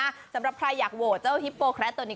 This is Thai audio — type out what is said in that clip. สำหรับใครอยากโหวตเจ้าฮิปโปแคระตัวนี้